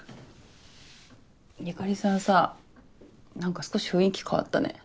由香里さんさ何か少し雰囲気変わったね。